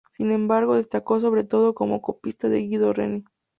Sin embargo, destacó sobre todo como copista de Guido Reni.